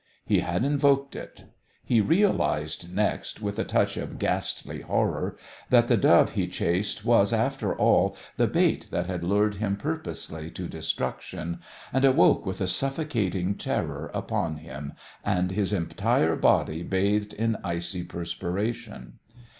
He had invoked it. He realised next, with a touch of ghastly horror, that the dove he chased was, after all, the bait that had lured him purposely to destruction, and awoke with a suffocating terror upon him, and his entire body bathed in icy perspiration.